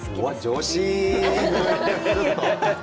女子。